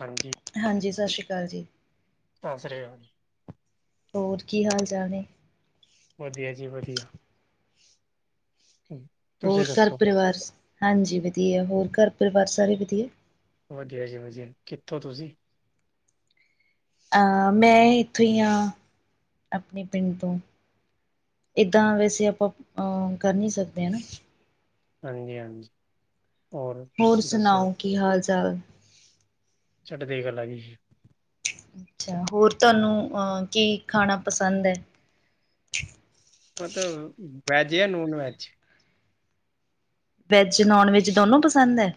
ਹਾਂਜੀ ਹਾਂਜੀ ਸਤਿ ਸ਼੍ਰੀ ਅਕਾਲ ਜੀ। ਹੱਸ ਰਹੇ ਓ। ਹੋਰ ਕੀ ਹਾਲ ਚਾਲ ਨੇ। ਵਧੀਆ ਜੀ ਵਧੀਆ ਹੂੰ ਹੋਰ ਘਰ ਪਰਿਵਾਰ ਹਾਂਜੀ ਵਧੀਆ ਹੋਰ ਘਰ ਪਰਿਵਾਰ ਸਾਰੇ ਵਧੀਆ ਵਧੀਆ ਜੀ ਵਧੀਆ ਕਿੱਥੋਂ ਤੁਸੀਂ ਅ ਮੈਂ ਇੱਥੋਂ ਹੀ ਹਾਂ ਆਪਣੇ ਪਿੰਡ ਤੋਂ ਇੱਦਾਂ ਵੈਸੇ ਆਪਾਂ ਕਰ ਨਹੀਂ ਸਕਦੇ ਹੈ ਨਾ। ਹਾਂਜੀ -ਹਾਂਜੀ ਹੋਰ ਸੁਣਾਓ ਕੀ ਹਾਲ- ਚਾਲ। ਚੱਡਦੇ ਗਲਾ ਜ ਅੱਛਾ, ਹੋਰ ਤੁਹਾਨੂੰ ਅਹ ਕੀ ਖਾਣਾ ਪਸੰਦ ਹੈ? ਮਤਲਬ, ਵੈਜ ਜਾਂ non veg veg, non veg ਦੋਨੋਂ ਪਸੰਦ ਹੈ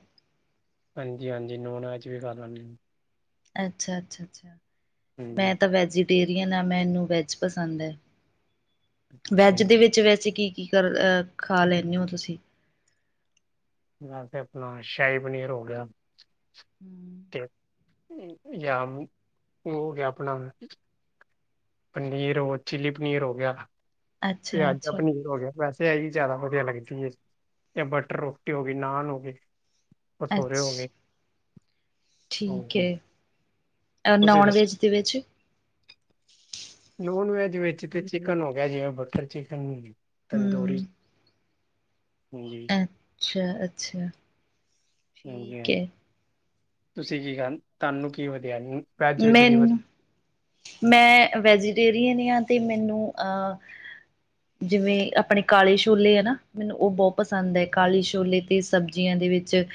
ਹਾਂਜੀ- ਹਾਂਜੀ ਨੋਨ ਵੈਜ ਵੀ ਕਰ ਲੈਂਣੇ ਆਂ। ਅੱਛਾ -ਅੱਛਾ- ਅੱਛਾ ਜੀ ਹੂੰ ਮੈਂ ਤਾਂ ਵੈਜੀ ਡੇਰੀਆਂ ਨਾਲ ਮੈਨੂੰ ਵੈਜ ਪਸੰਦ ਹੈ ਅੱਛਾ ਵੈਜ ਜੀ ਦੇ ਵਿੱਚ ਵੈਸੇ ਕੀ ਕੀ ਕਰ ਖਾ ਲੈਂਦੇ ਹੋ ਤੁਸੀਂ ਮੈਂ ਤੇ ਆਪਣਾ ਸ਼ਾਹੀ ਪਨੀਰ ਹੋ ਗਿਆ ਤੇ ਜਾਂ ਮ ਉਹ ਹੋ ਗਿਆ ਆਪਣਾ ਪਨੀਰ ਹੋ ਚਿੱਲੀ ਪਨੀਰ ਹੋ ਗਿਆ ਅੱਛਾ ਪਿਆਜਾ ਅੱਛਾ ਪਨੀਰ ਹੋ ਗਿਆ ਵੈਸੇ ਤੇ ਹੀ ਜ਼ਿਆਦਾ ਵਧੀਆ ਲੱਗਦੀ ਹੈ ਜਾਂ ਬਟਰ ਰੋਟੀ ਹੋ ਗਈ ਨਾਨ ਹੋ ਗਏ। ਅੱਛ ਭਸੌਰੇ ਹੋ ਗਏ। ਠੀਕ ਹਾਂਜੀ ਹੈ ਤੁਸੀਂ ਨੋਨ ਦੱਸੋ ਵੈਜ ਦੇ ਵਿੱਚ ਨੋਨ ਵੈਜ ਵਿੱਚ ਤੇ ਚਿਕਨ ਹੋ ਗਿਆ ਜਿਵੇਂ ਬਟਰ ਚਿਕਨ, ਤੰਦੂਰੀ ਹਮ ਹਾਂਜੀ ਅੱਛਾ ਅੱਛਾ -ਹਾਂਜੀ ਠੀਕ -ਹਾਂਜੀ। ਹੈ ਤੁਸੀਂ ਕੀ ਕ ਤੁਹਾਨੂੰ ਕੀ ਵਧੀਆ ਨਹੀਂ ਮੈਨੂੰ, ਮੈਂ ਵੈਜੀਟੇਰੀਅਨ ਹਾਂ ਤੇ ਮੈਨੂੰ ਅਹ [inaudible] [inaudible] ਜਿਵੇਂ ਆਪਣੇ ਕਾਲੇ ਛੋਲੇ ਹੈ ਨਾ, ਮੈਨੂੰ ਉਹ ਬਹੁਤ ਪਸੰਦ ਹੈ ਕਾਲੇ ਛੋਲੇ ਤੇ ਸਬਜ਼ੀਆਂ ਦੇ ਵਿੱਚ।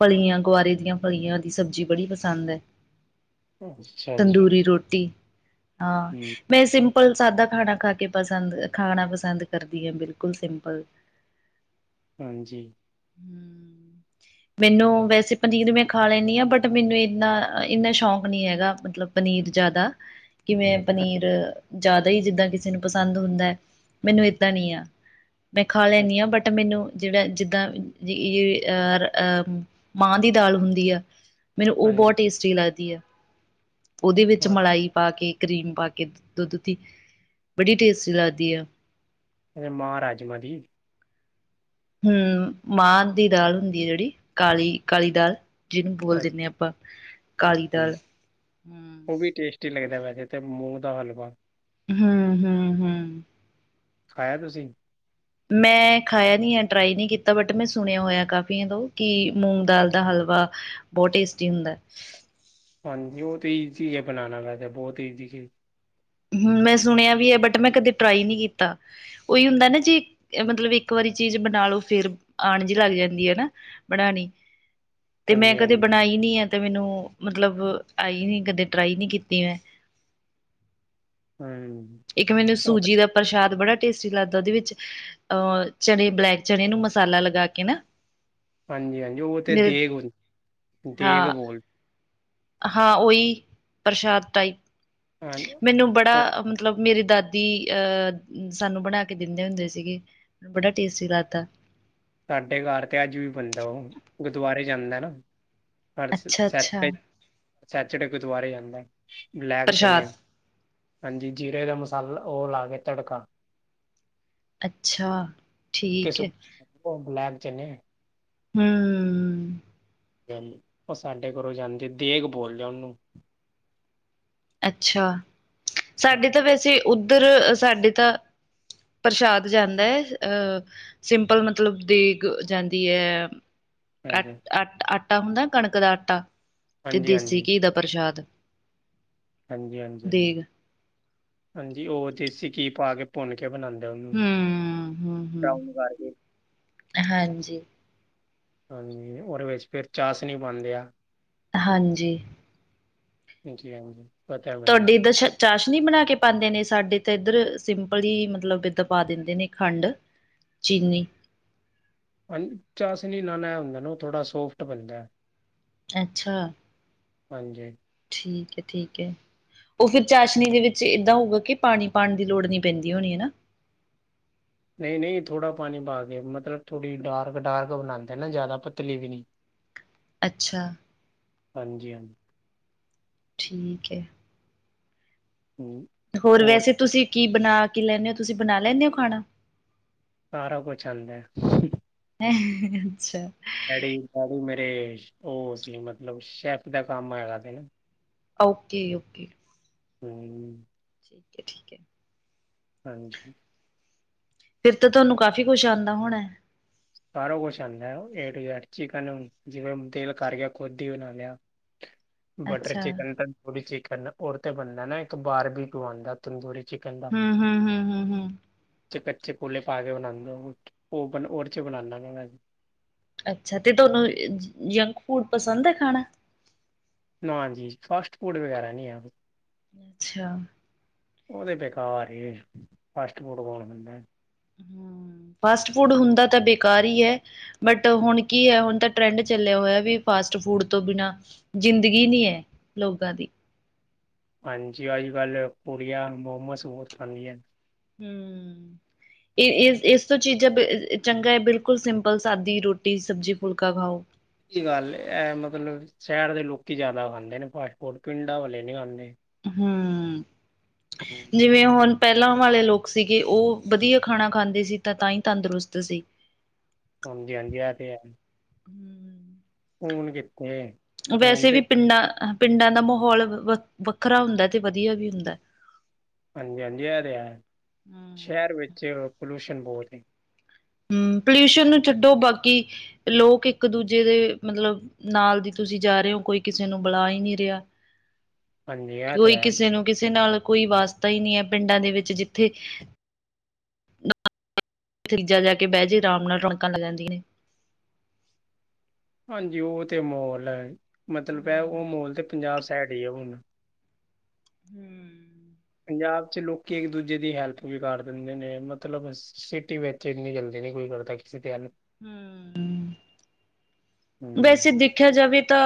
ਫਲੀਆਂ, ਗੁਆਰੇ ਦੀਆਂ ਫਲੀਆਂ ਦੀ ਸਬਜ਼ੀ ਬੜੀ ਪਸੰਦ ਹੈ। ਹਾਂ। ਤੰਦੂਰੀ ਰੋਟੀ ਹਾਂ ਹਮ ਮੈਂ ਸਿੰਪਲ ਸਾਦਾ ਖਾਣਾ ਖਾ ਕੇ ਪਸੰਦ ਖਾਣਾ ਪਸੰਦ ਕਰਦੀ ਹਾਂ ਬਿਲਕੁਲ ਸਿੰਪਲ ਹਾਂਜੀ। ਹਮ ਮੈਨੂੰ ਵੈਸੇ ਪਨੀਰ ਮੈਂ ਖਾ ਲੈਂਦੀ ਹਾਂ ਬਟ ਮੈਨੂੰ ਇੰਨਾ ਇੰਨਾ ਸ਼ੌਕ ਨਹੀ ਹੈਗਾ ਮਤਲਬ ਪਨੀਰ ਜ਼ਿਆਦਾ ਕਿਵੇਂ ਪਨੀਰ ਜ਼ਿਆਦਾ ਹੀ ਜਿੱਦਾਂ ਕਿਸੇ ਨੂੰ ਪਸੰਦ ਹੁੰਦਾ ਹੈ ਮੈਨੂੰ ਏਦਾਂ ਨੀ ਆ ਮੈਂ ਖਾ ਲੈਂਦੀ ਹਾਂ ਬਟ ਮੈਨੂੰ ਜਿਹੜਾ ਜਿੱਦਾਂ ਅਹ -ਅਹ ਮਾਂ ਦੀ ਦਾਲ ਹੁੰਦੀ ਆ ਮੈਨੂੰ ਉਹ ਹਾਂਜੀ ਬਹੁਤ ਟੇਸਟੀ ਲੱਗਦੀ ਹੈ ਉਹਦੇ ਵਿੱਚ ਹਾਂ ਮਲਾਈ ਪਾ ਕੇ, ਕਰੀਮ ਪਾ ਕੇ ਦੁੱਧ ਦੀ ਬੜੀ ਟੇਸਟੀ ਲੱਗਦੀ ਆ। ਮਹ ਰਾਜਮਾ ਜੀ ਹਮ ਮਾਂਹ ਦੀ ਦਾਲ ਹੁੰਦੀ ਹੈ ਜਿਹੜੀ ਕਾਲੀ ਕਾਲੀ ਦਾਲ ਜਿਹਨੂੰ ਬੋਲ ਦਿੰਦੇ ਹਾਂ ਆਪਾਂ ਕਾਲੀ ਹਮ, ਦਾਲ ਹੂੰ ਉਹ ਵੀ ਟੇਸਟੀ ਲੱਗਦਾ ਵੈਸੇ ਤੇ ਮੂੰਹ ਦਾ ਹਲਵਾ ਹਮ- ਹਮ -ਹਮ। ਖਾਇਆ ਤੁਸੀਂ ਮੈਂ ਖਾਇਆ ਨੀ ਹੈ, ਟਰਾਈ ਨਹੀ ਕੀਤਾ, ਬਟ ਮੈਂ ਸੁਣਿਆ ਹੋਇਆ ਕਾਫੀ ਸੁਣਿਆਂ ਕਿ ਮੂੰਗ ਦਾਲ ਦਾ ਹਲਵਾ ਬਹੁਤ ਟੇਸਟੀ ਹੁੰਦਾ ਹਾਂਜੀ, ਉਹ ਤੇ ਈਜ਼ੀ ਹੈ ਬਣਾਉਣਾ ਵੈਸੇ ਬਹੁਤ ਈਜ਼ੀ ਚ ਹਮ ਮੈਂ ਸੁਣਿਆ ਵੀ ਹੈ ਬਟ ਮੈਂ ਕਦੇ ਟਰਾਈ ਨਹੀਂ ਕੀਤਾ ਉਹੀ ਹੁੰਦਾ ਨਾ ਜੇ ਮਤਲਬ ਇੱਕ ਵਾਰੀ ਚੀਜ਼ ਬਣਾ ਲਓ ਫਿਰ ਆਉਣ ਜਿਹੀ ਲੱਗ ਜਾਂਦੀ ਹੈ ਨਾ ਬਣਾਣੀ। ਤੇ ਮੈਂ ਹਾਂਜੀ ਕਦੇ ਹਾਂਜੀ ਬਣਾਈ ਨੀ ਆ ਤੇ ਮੈਨੂੰ ਮਤਲਬ ਆਈ ਨੀ ਕਦੇ ਟਰਾਈ ਨੀ ਕੀਤੀ ਮੈਂ ਹਮ ਇੱਕ ਮੈਨੂੰ ਸੂਜੀ ਦਾ ਪ੍ਰਸ਼ਾਦ ਬੜਾ ਟੇਸਟੀ ਲੱਗਦਾ ਉਹਦੇ ਵਿੱਚ ਅਹ ਚਣੇ ਬਲੈਕ ਚਣੇ ਨੂੰ ਮਸਾਲਾ ਲਗਾ ਕੇ ਨਾ ਹਾਂਜੀ, ਹਾਂਜੀ ਓ ਤੇ ਮੇਰੇ ਦੇਗ, ਦੇਗ ਹਾਂ ਬੋਲ ਹਾਂ ਓਈ ਪ੍ਰਸ਼ਾਦ ਟਾਈਪ ਹਾਂ ਮੈਨੂੰ ਉਹ ਬੜਾ ਮਤਲਬ ਮੇਰੀ ਦਾਦੀ ਅ ਸਾਨੂੰ ਬਣਾ ਕੇ ਦੇਂਦੇ ਹੁੰਦੇ ਸੀਗੇ। ਬੜਾ ਟੇਸਟੀ ਲੱਦਾ ਸਾਡੇ ਘਰ ਤੇ ਅੱਜ ਵੀ ਬਣਦਾ ਓ, ਗੁਰਦੁਆਰੇ ਜਾਂਦਾ ਨਾ ਹਰਸ ਅੱਛਾ ਅੱਛਾ ਸੈਚਡੇ ਗੁਰਦੁਆਰੇ ਜਾਂਦਾ ਬਲੈਕ ਚਨੇ, ਪ੍ਰਸ਼ਾਦ ਹਾਂਜੀ ਜੀਰੇ ਦਾ ਮਸਾਲਾ ਓ ਲਾ ਕੇ ਤੜਕਾ ਅੱਛਾ, ਠੀਕ ਐ। ਓ ਬਲੈਕ ਚਨੇ ਹੂੰ। [unintelligible] ਓ ਸਾਡੇ ਘਰੋਂ ਜਾਂਦੀ, ਦੇਗ ਬੋਲਦੇ ਆ ਓਨੂੰ। ਅੱਛਾ, ਸਾਡੇ ਹਾਂਜੀ ਤਾਂ ਵੈਸੇ ਉੱਧਰ ਸਾਡੇ ਤਾਂ ਪ੍ਰਸ਼ਾਦ ਜਾਂਦਾ ਐ ਅਹ ਸਿੰਪਲ, ਮਤਲਬ ਦੇਗ ਜਾਂਦੀ ਐ। ਹਾਂਜੀ ਅ ਆਟਾ ਹੁੰਦਾ ਕਣਕ ਦਾ ਆਟਾ ਤੇ ਹਾਂਜੀ ਦੇਸੀ ਹਾਂਜੀ ਘੀ ਦਾ ਪ੍ਰਸ਼ਾਦ ਹਾਂਜੀ-ਹਾਂਜੀ-ਹਾਂਜੀ। ਦੇਗ ਹਾਂਜੀ, ਉਹ ਦੇਸੀ ਘੀ ਪਾ ਕੇ ਭੁੰਨ ਕੇ ਬਨਾਂਦੇ ਓਨੂੰ, ਹਮ ਹਮ ਹਮ ਬਰਾਊਨ ਕਰਕੇ ਹਾਂਜੀ। ਹਾਂਜੀ, ਓਦੇ ਵੇਚ ਫੇਰ ਚਾਸ਼ਨੀ ਪਾਂਦੇ ਆ। ਹਾਂਜੀ। ਜੀ ਹਾਂਜੀ। ਪਤਾ ਹੈ ਮੈਨੂੰ ਤੁਹਾਡੇ ਦਸ਼ ਚਾਸ਼ਨੀ ਬਨਾ ਕੇ ਪਾਂਦੇ ਨੇ ਸਾਡੇ ਤੇ ਏਧਰ ਸਿੰਪਲ ਈ ਮਤਲਬ ਬਿੱਦ ਪਾ ਦਿੰਦੇ ਨੇ ਖੰਡ ਚੀਨੀ ਹਾਂਜ, ਚਾਸ਼ਨੀ ਨਾਲ ਐ ਹੁੰਦਾ ਨਾ ਓ ਥੋੜਾ ਸੋਫਟ ਬਨਦਾ। ਅੱਛਾ। ਹਾਂਜੀ। ਠੀਕ ਐ, ਠੀਕ ਐ। ਓ ਫੇਰ ਚਾਸ਼ਨੀ ਦੇ ਵਿੱਚ ਏਦਾਂ ਹੋਊਗਾ ਕਿ ਪਾਨੀ ਪਾਨ ਦੀ ਲੋੜ ਨੀ ਪੈਂਦੀ ਹੋਨੀ ਹੈਨਾ ਨਈ-ਨਈ ਥੋੜਾ ਪਾਨੀ ਪਾਕੇ ਮਤਲਬ ਥੋੜੀ ਡਾਰਕ ਡਾਰਕ ਬਨਾਂਦੇ ਨਾ ਜਾਦਾ ਪਤਲੀ ਵੀ ਨੀ [inaudible] ਅੱਛਾ। ਹਾਂਜੀ-ਹਾਂਜੀ। ਠੀਕ ਐ। ਹੂੰ। ਹੋਰ ਵੈਸੇ ਤੁਸੀ ਕੀ ਬਨਾ ਕੀ ਲੈਂਨੇ ਓ, ਤੁਸੀ ਬਨਾ ਲੈਂਨੇ ਓ ਖਾਣਾ ਸਾਰਾ ਕੋਛ ਆਂਦਾ। ਐਹਂ ਅੱਛਾ। ਡੈਡੀ, ਡੈਡੀ ਮੇਰੇ ਓ ਸੀ ਮਤਲਬ ਸ਼ੈਫ ਦਾ ਕੰਮ ਹੈਗਾ ਤੇ ਨਾ ਓਕੇ-ਓਕੇ। ਹੂੰ। ਠੀਕ ਐ, ਠੀਕ ਐ। ਹਾਂਜੀ। ਫੇਰ ਤੇ ਤੋਨੂੰ ਕਾਫ਼ੀ ਕੋਛ ਆਂਦਾ ਹੋਣਾ। ਸਾਰਾ ਕੋਛ ਆਂਦਾ, ਏ ਟੂ ਜੈਡ ਚਿਕਨ ਜਿਵੇਂ ਦੇਲ ਕਾਰ ਕੇ ਖੋਦ ਈ ਬਨਾ ਲੇਆ। ਬਟਰ ਅੱਛਾ। ਚਿਕਨ, ਤਾਂ ਜੋ ਚਿਕਨ ਓਰ ਤੇ ਬੰਨਾ ਨਾ ਏਕ ਬਾਰਬੀਕਿਊ ਆਂਦਾ। ਤੰਦੂਰੀ ਚਿਕਨ ਦਾ ਹੂੰ, ਹੂੰ, ਹੂੰ, ਹੂੰ, ਹੂੰ। ਕੱਚੇ ਕੋਲੇ ਪਾਕੇ ਬਨਾਨਾ ਉਹਨੂੰ, ਓ ਬਨ ਓਦੇ ਚ ਬਨਾਨਾ ਮੈਂ ਅੱਛਾ, ਤੇ ਤੋਨੂੰ ਜੰਕ ਫੂਡ ਪਸੰਦ ਏ ਖਾਣਾ? ਨਾ ਜੀ, ਫਾਸਟ ਫੂਡ ਵਗੈਰਾ ਨੀ ਐ। ਅੱਛਾ। ਉਹ ਤੇ ਬੇਕਾਰ ਏ‌‌ ਫਾਸਟ ਫੂਡ ਹਮ ਫਾਸਟ ਫੂਡ ਹੁੰਦਾ ਤਾ‌ ਬੇਕਾਰ ਈ ਐ। ਬਟ ਹੁਨ ਕੀ ਐ ਹੁਨ ਤਾਂ ਟਰੈਂਡ ਚੱਲਿਆ ਹੋਇਆ ਵੀ ਫਾਸਟ ਫੂਡ ਤੋਂ ਬਿਨਾਂ ਜ਼ਿੰਦਗੀ ਨੀ ਐ, ਲੋਕਾਂ ਦੀ ਹਾਂਜੀ। ਅੱਜਕੱਲ ਕੂੜੀਆਂ ਮੋਮੋਸ ਬੋਤ ਖਾਂਦੀਆਂ ਹੂੰ। ਏ ਏਸ, ਏਸ ਤੋ ਚੀਜ਼ਾਂ ਚੰਗਾ ਐ ਬਿਲਕੁਲ ਸਿੰਪਲ ਸਾਦੀ ਰੋਟੀ ਸਬਜ਼ੀ ਫੁਲਕਾ ਖਾਓ ਸਚੀ ਗੱਲ ਏ ਮਤਲਬ ਸ਼ਹਿਰ ਦੇ ਲੋਕੀ ਜੈ਼ਦਾ ਖਾਂਦੇ ਨੇ ਫਾਸਟ ਫੂਡ ਪਿੰਡਾਂ ਵਾਲੇ ਨਈ ਖਾਂਦੇ। ਹੈਂ। ਜਿਵੇਂ ਹੁਨ ਪੈਲਾਂ ਵਾਲੇ ਲੋਕ ਸੀਗੇ ਓ ਵਦੀਆ ਖਾਣਾ ਖਾਂਦੇ ਸੀ ਤਾਂ ਤਾਈ ਤੰਦਰੁਸਤ ਸੀ। ਹਾਂਜੀ-ਹਾਂਜੀ, ਐ ਤੇ ਹੈ। ਹਮ ਹੁਨ ਕੀਥੇ। ਵੈਸੇ ਵੀ ਪਿੰਡਾਂ, ਪਿੰਡਾਂ ਦਾ ਮਾਹੋਲ ਵ ਵੱਖਰਾ ਹੁੰਦਾ, ਤੇ ਵਦੀਆ ਵੀ ਹੁੰਦਾ। ਹਾਂਜੀ, ਹਾਂਜੀ ਏ ਤੇ ਐ, ਸ਼ੈਰ ਵੇਚ ਪੋਲਊਸ਼ਨ ਬੋਤ ਏ‌। ਹੂੰ। ਪੋਲਿਊਸ਼ਨ ਨੂੰ ਛੱਡੋ ਬਾਕੀ ਲੋਕ ਇੱਕ ਦੂਜੇ ਦੇ ਮਤਲਬ ਨਾਲ ਦੀ ਤੁਸੀ ਜਾਰੇ ਓ, ਕੋਈ ਕਿਸੇ ਨੂੰ ਬੁਲਾ ਹੀ ਨੀ ਰਿਹਾ। ਹਾਂਜੀ ਇਹ ਤੇ ਕੋਈ ਹੈ ਕਿਸੇ ਨੂੰ ਕਿਸੇ ਨਾਲ ਕੋਈ ਵਾਸਤਾ ਈ ਨੀ ਐ, ਪਿੰਡਾਂ ਦੇ ਵਿੱਚ ਜਿੱਥੇ ਤੀਜਾ ਜਾ ਕੇ ਬੈਜੇ ਆਰਾਮ ਨਾਲ ਰੋਣਕਾਂ ਲਗ ਜਾਂਦੀਆਂ ਨੇ ਹਾਂਜੀ। ਓ ਤੇ ਮੋਲ ਐ ਮਤਲਬ ਐ ਹੂੰ ਓ ਮੋਲ ਤੇ ਪੰਜਾਬ ਸੈਡ ਹੀ ਏ ਹੁਨ ਹੂੰ। ਪੰਜਾਬ ਚ ਲੋਕੀ ਇੰਕ ਦੂਜੇ ਦੀ ਹੈਲਪ ਵੀ ਕਰ ਦਿੰਦੇ ਨੇ, ਮਤਲਬ ਸਿਟੀ ਵੇਚ ਏਨੀ ਜਲਦੀ ਨੀ ਕੋਈ ਕਰਦਾ [inaudible] ਹੂੰ, ਹੂੰ ਵੈਸੇ ਦੇਖਿਆ ਜਾਵੇ ਤਾ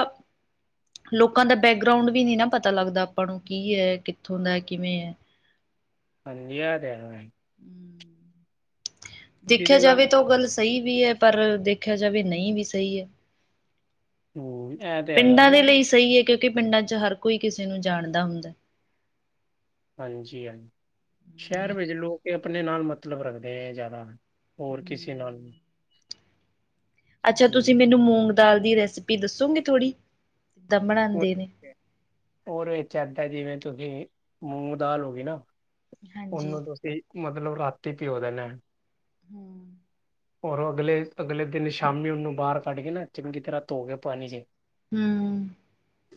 ਲੋਕਾਂ ਦਾ ਬੈਗਰਾਉਂਡ ਵੀ ਨੀ ਨਾ ਪਤਾ ਲੱਗਦਾ ਆਪਾਂ ਨੂੰ ਕੀ ਐ, ਕਿੱਥੋਂ ਦਾ, ਕਿਵੇਂ ਐਂ। ਹਂਜੀ ਐ ਦੇਨਾ। ਦੇਖਿਆ ਜਿਹਦੇ ਨਾਲ ਜਾਵੇ ਤਾਂ ਔ ਗੱਲ ਸਹੀ ਵੀ ਐ ਪਰ ਦੇਖਿਆ ਜਾਵੇ ਨਈ ਵੀ ਸਹੀ ਐ। ਹੂੰ ਇਹ ਤੇ ਹੈਗਾ ਪਿੰਡਾਂ ਦੇ ਮਤਲਬ ਲਈ ਸਹੀ ਏ ਕਿਔਕਿ ਪਿੰਡਾਂ ਚ ਹਰ ਕੋਈ ਕਿਸੇ ਨੂੰ ਜਾਣਦਾ। ਹਂਜੀ ਆ ਸ਼ਹਿਰ ਵਿੱਚ ਲੋਕ ਆਪਨੇ ਨਾਲ ਮਤਲਬ ਰੱਖਦੇ ਐਂ ਜੈ਼ਦਾ। ਔਰ ਕਿਸੇ ਨਾਲ ਅੱਛਾ ਹੂੰ ਤੁਸੀਂ ਮੈਨੂੰ ਮੂੰਗ ਦਾਲ ਦੀ ਰੈਸਿਪੀ ਦੱਸੋਗੇ ਥੋੜ੍ਹੀ। ਕਿੱਦਾਂ ਬਣਾਉਂਦੇ ਨੇ? ਔ ਰਏ ਚਾਚਾ ਜਿਵੇਂ ਤੁਸੀਂ ਮੂੰਗ ਦਾਲ ਹੋ ਗਈ ਨਾ। ਹਾਂਜੀ ਔਨੂੰ ਤੁਸੀਂ ਮਤਲਬ ਰਾਤੀ ਭਿਔ ਦੇਨਾ। ਹਮ। ਔਰ ਅਗਲੇ ਅਗਲੇ ਦਿਨ ਸ਼ਾਮੀ ਓਨੂੰ ਬਾਹਰ ਕੱਢ ਕੇ ਨਾ ਚੰਗੀ ਤਰ੍ਹਾਂ ਧੋ ਕੇ ਪਾਨੀ ਜ ਹੂੰ।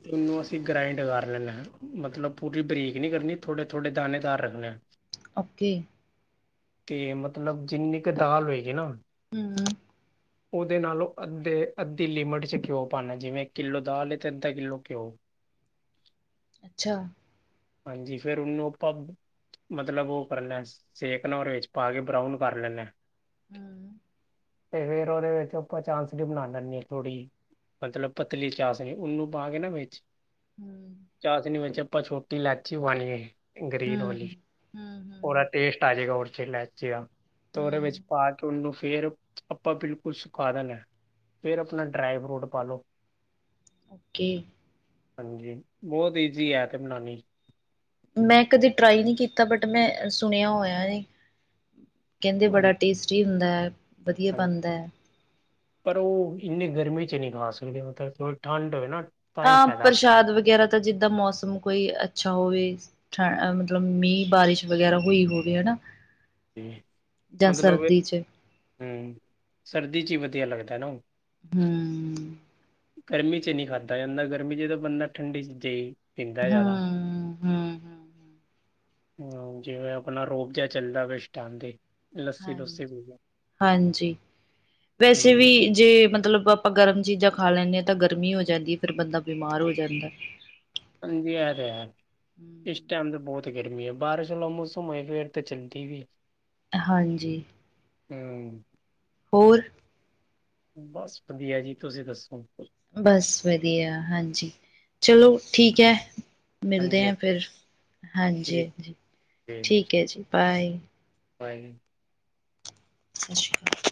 ਤੇ ਉਨੂੰ ਅਸੀਂ ਗ੍ਰਾਇੰਡ ਕਰ ਲੈਨੇਆਂ ਮਤਲਬ ਪੂਰੀ ਬਰੀਕ ਨਈ ਕਰਨੀ ਥੋੜੇ ਥੋੜੇ ਦਾਨੇ ਦਾਰ ਰੱਖਨੇ ਆਂ। ਔਕੇ। ਕੇ ਮਤਲਬ ਜਿੰਨੀ ਕ ਦਾਲ ਔਏਗੀ ਨਾ ਹਮ। ਓਦੇ ਨਾਲੋਂ ਅੱਧੇ-ਅੱਧੀ ਲਿਮਿਟ 'ਚ ਘਿਓ ਪਾਣਾ ਜਿਵੇਂ ਕਿੱਲੋ ਦਾਲ ਏ। ਤੇ ਅੱਧਾ ਕਿਲੋ ਘਿਓ ਅੱਛਾ ਹਾਂਜੀ ਫਿਰ ਓਨੂੰ ਆਪਾਂ ਮਤਲਬ ਓ ਕਰਨਾ ਸੇਕਨਾ ਔਰ 'ਚ ਪਾ ਕੇ ਬਰਾਉਨ ਕਰ ਲੈਨਾ। ਹੂੰ ਤੇ ਫਿਰ ਓਦੇ ਵਿੱਚ ਆਪਾਂ ਚਾਂਸਨੀ ਬਣਾ ਲੈਂਨੀ ਆਂ ਥੋੜੀ ਮਤਲਬ ਪਤਲੀ ਚਾਸ ਉਹਨੂੰ ਪਾ ਕੇ ਨਾ ਵਿੱਚ ਹਮ। ਚਾਸਨੀ ਵਿੱਚ ਆਪਾਂ ਛੋਟੀ ਲਾਚੀ ਬਣੀਏ। ਗ੍ਰਰੀਨ ਹਮ ਵਾਲੀ, ਉਹਦਾ ਹਮ। ਟੇਸਟ ਆ ਜਾਏਗਾ ਉਰਚ ਇਲਾਇਚੀ ਦਾ ਤੇ ਉਹਦੇ ਵਿੱਚ ਹਮ ਪਾ ਉਹਨੂੰ ਫਿਰ ਆਪਾਂ ਬਿਲਕੁਲ ਸੁਕਾ ਦੇਣਾ ਆ ਫਿਰ ਆਪਣਾ ਡਰਾਈ ਫਰੂਟ ਪਾ ਲਓ। ਓਕੇ। ਹਾਂਜੀ ਬਹੁਤ ਈਜ਼ੀ ਐ ਤੇ ਬਣਾਣੀ ਮੈਂ ਕਦੇ ਟਰਾਈ ਨਹੀਂ ਕੀਤਾ ਬਟ ਮੈਂ ਸੁਣਿਆ ਹੋਇਆ, ਕਹਿੰਦੇ ਬੜਾ ਹਾਂਜੀ ਟੇਸਟੀ ਹੁੰਦਾ ਐ, ਵਧੀਆ ਹਾਂਜੀ ਬਣਦਾ ਐ। ਪਰ ਉਹ ਇੰਨੀ ਗਰਮੀ ਚ ਨਹੀਂ ਖਾ ਸਕਦੇ ਥੋੜੀ ਠੰਡ ਹੋਵੇ ਨਾ ਤਾਂ ਹੀ ਹਾਂ ਫਾਇਦਾ ਪ੍ਰਸ਼ਾਦ ਵਗੈਰਾ ਤਾਂ ਜਿੱਦਾਂ ਮੌਸਮ ਕੋਈ ਅੱਛਾ ਹੋਵੇ। ਠ ਮਤਲਬ ਮੀਂਹ ਬਾਰਿਸ਼ ਵਗੈਰਾ ਹੋਈ ਹੋਵੇ ਹੈ ਨਾ ਹੂੰ ਮਤਲਬ ਚ ਹੂੰ ਸਰਦੀ 'ਚ ਵਧੀਆ ਲੱਗਦਾ ਨਾ ਓ ਹੂੰ ਗਰਮੀ 'ਚ ਨਹੀ ਖਾਧਾ ਜਾਂਦਾ ਗਰਮੀ 'ਚ ਤਾਂ ਬੰਦਾ ਠੰਡੀ ਚੀਜਾਂ ਈ ਪੀਂਦਾ ਜ਼ਿਆਦਾ ਹੂੰ ਹੂੰ ਹੂੰ ਜਿਵੇਂ ਆਪਣਾ ਰੋਬ ਜਿਆ ਚੱਲਦਾ ਪਿਆ ਏਸ ਟੈਮ ਤੇ ਲੱਸੀ ਲੁੱਸੀ ਪੀ ਲਓ ਹਾਂਜੀ-ਹਾਂਜੀ ਵੈਸੇ ਵੀ ਹੂੰ ਜੇ ਮਤਲਬ ਆਪਾਂ ਗਰਮ ਚੀਜ਼ਾਂ ਖਾ ਲੈਂਦੇ ਹਾਂ ਤਾਂ ਗਰਮੀ ਹੋ ਜਾਂਦੀ ਫੇਰ ਬੰਦਾ ਬਿਮਾਰ ਹੋ ਜਾਂਦਾ। ਹਾਂਜੀ ਇਹ ਤੇ ਹੈ ਇਸ ਹੂੰ ਟਾਈਮ ਤੇ ਬਹੁਤ ਗਰਮੀ ਹੈ ਬਾਰਿਸ਼ ਵਾਲਾ ਮੌਸਮ ਹੈ ਫੇਰ ਤਾਂ ਚੱਲਦੀ ਵੀ ਹਾਂਜੀ ਹਮ ਹੋਰ ਬਸ ਵਧੀਆ ਜੀ ਤੁਸੀਂ ਦੱਸੋ ਬਸ ਵਧੀਆ ਹਾਂਜੀ ਚਲੋ ਠੀਕ ਹੈ। ਮਿਲਦੇ ਹਾਂਜੀ ਹਾਂ ਫਿਰ ਹਾਂਜੀ ਠੀਕ ਹਾਂਜੀ ਠੀਕ ਹੈ ਜੀ ਬਾਏ ਕੋਈ ਨਹੀਂ ਸਤਿ ਸ਼੍ਰੀ ਅਕਾਲ